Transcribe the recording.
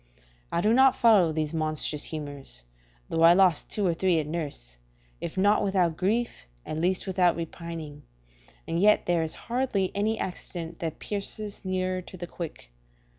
I do not follow these monstrous humours, though I lost two or three at nurse, if not without grief, at least without repining, and yet there is hardly any accident that pierces nearer to the quick.